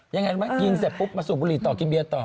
ยังไงรู้ไหมยิงเสร็จปุ๊บมาสูบบุหรี่ต่อกินเบียร์ต่อ